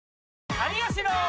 有吉の！